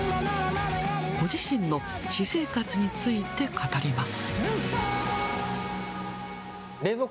ご自身の私生活について語ります。